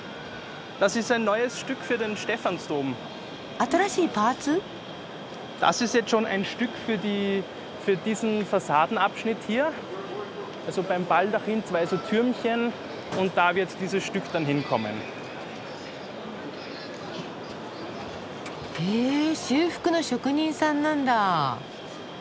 新しいパーツ？へ修復の職人さんなんだ。